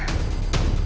apa elsa sudah berubah